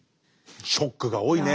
ショックが多いね。